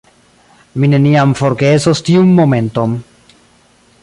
Mi neniam forgesos tiun momenton.